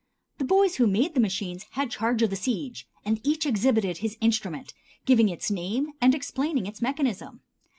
The boys who made the machines had charge of the siege, and each exhibited his instrument, giving its name and explaining its mechanism.